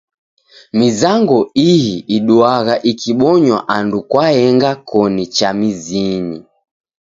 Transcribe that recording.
Mizango ii iduagha ikibonywa andu kwaenga koni cha mizinyi.